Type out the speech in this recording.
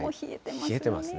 冷えてますね。